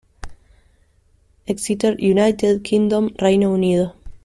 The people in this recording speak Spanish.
Exeter United Kingdom-Reino Unido.